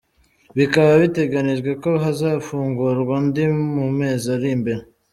Bikaba biteganijwe ko hazafungurwa andi mu mezi ari imbere.